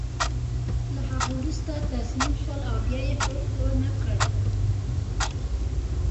له هغه وروسته تسلیم شول او بیا یې ښورښ ونه کړ.